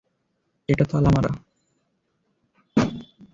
এটা তালা মারা!